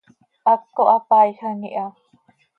haptco hapaiijam iha.